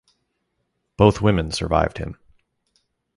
Both women survived him.